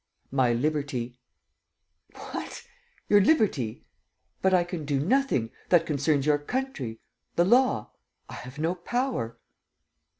"My liberty." "What! Your liberty. ... But I can do nothing. ... That concerns your country ... the law. ... I have no power."